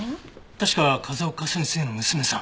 確か風丘先生の娘さん。